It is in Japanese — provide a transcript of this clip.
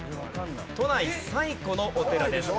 都内最古のお寺です。